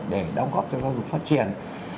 để đóng góp cho giáo dục phát triển